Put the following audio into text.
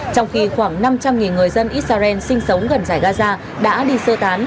trong khi khoảng năm trăm linh người dân israel sinh sống gần giải gaza đã đi sơ tán